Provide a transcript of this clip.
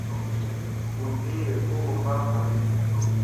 Mo gi me kuumo fah fale.